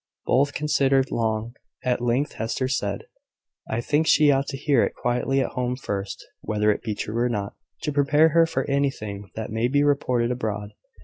Both considered long. At length Hester said "I think she ought to hear it quietly at home first (whether it be true or not), to prepare her for anything that may be reported abroad.